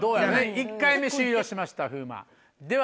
１回目終了しました風磨では。